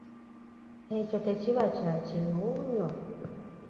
Ekyo tekiba kya kyewuunyo?